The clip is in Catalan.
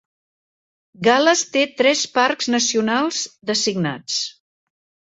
Gal·les té tres parcs nacionals designats.